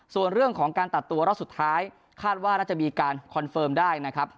ส่วนเรื่องของการตัดตัวรอบสุดท้ายคาดว่าน่าจะมีการคอนเฟิร์มได้นะครับ